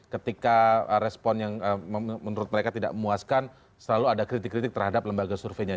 ketika respon yang menurut mereka tidak memuaskan selalu ada kritik kritik terhadap lembaga surveinya